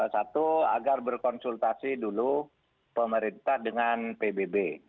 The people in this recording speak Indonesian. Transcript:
satu agar berkonsultasi dulu pemerintah dengan pbb